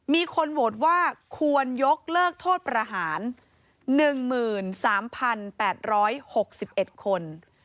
มีคนโหวตว่าควรยกเลิกโทษประหาร๑๓๘๖๑คน